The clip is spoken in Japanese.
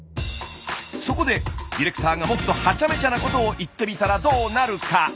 そこでディレクターがもっとハチャメチャなことを言ってみたらどうなるか。